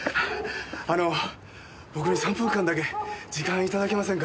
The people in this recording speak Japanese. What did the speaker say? あの僕に３分間だけ時間頂けませんか？